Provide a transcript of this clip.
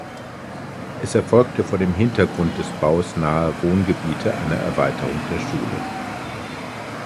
Es erfolgte vor dem Hintergrund des Baus naher Wohngebiete eine Erweiterung der Schule.